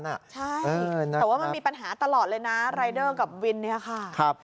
ใช่แต่ว่ามันมีปัญหาตลอดเลยนะรายเดอร์กับวินเนี่ยค่ะ